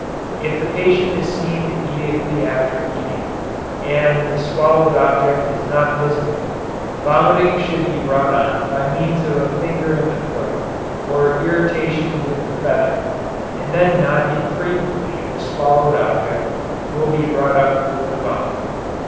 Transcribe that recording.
If the patient is seen immediately after eating, and the swallowed object is not visible, vomiting should be brought on by means of a finger in the throat or irritation with the feather, and then not infrequently the swallowed object will be brought up with the vomit."